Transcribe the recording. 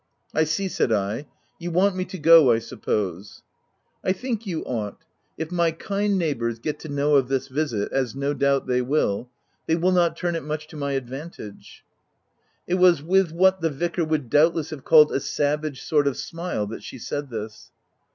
"I see/' said I. ct You want me to go, I suppose. M '• I think you ought. If my kind neigh bours get to know of this visit — as no doubt they will — they will not turn it much to my advantage." It was with what the Vicar would doubtless have called a savage sort of a smile that she said this.